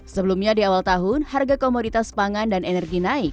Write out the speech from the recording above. sebelumnya di awal tahun harga komoditas pangan dan energi naik